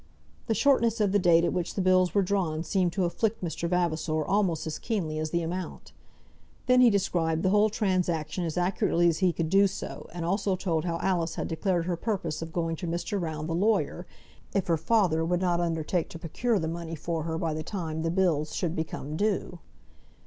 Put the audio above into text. The shortness of the date at which the bills were drawn seemed to afflict Mr. Vavasor almost as keenly as the amount. Then he described the whole transaction as accurately as he could do so, and also told how Alice had declared her purpose of going to Mr. Round the lawyer, if her father would not undertake to procure the money for her by the time the bills should become due.